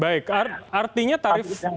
baik artinya tarif